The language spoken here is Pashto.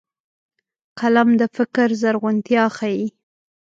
قلم د فکر زرغونتيا ښيي